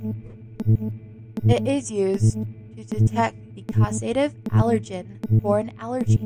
It is used to detect the causative allergen for an allergy.